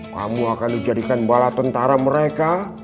kamu akan dijadikan bala tentara mereka